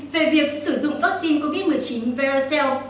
về việc sử dụng vaccine covid một mươi chín varseel